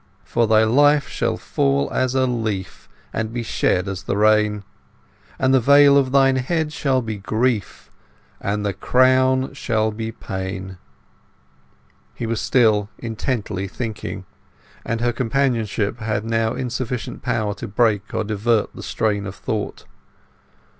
For thy life shall fall as a leaf and be shed as the rain; And the veil of thine head shall be grief, and the crown shall be pain. He was still intently thinking, and her companionship had now insufficient power to break or divert the strain of thought.